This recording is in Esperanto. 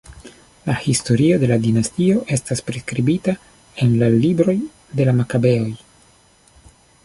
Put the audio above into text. La historio de la dinastio estas priskribita en la Libroj de la Makabeoj.